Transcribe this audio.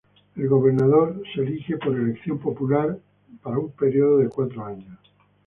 El gobernador es elegido por elección popular para un período de cuatro años.